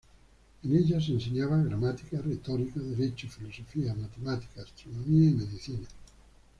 En ella se enseñaba Gramática, Retórica, Derecho, Filosofía, Matemática, Astronomía y Medicina.